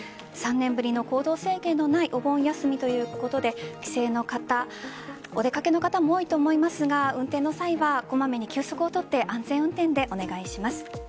３年ぶりの行動制限のないお盆休みということで帰省の方お出かけの方も多いと思いますが運転の際はこまめに休息を取って安全運転でお願いします。